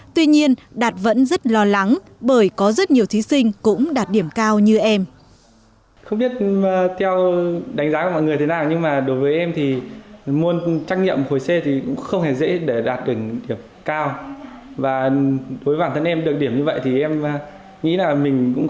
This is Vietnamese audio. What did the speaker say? tuy nhiên đạt vẫn rất lo lắng bởi có rất nhiều thí sinh cũng đạt điểm cao như em